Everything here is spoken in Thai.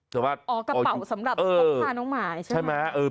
อ๋อกระเป๋าสำหรับพ้องผ้าน้องหมาใช่ไหมเออใช่ไหมเออ